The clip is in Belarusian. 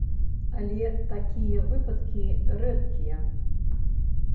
Але такія выпадкі рэдкія.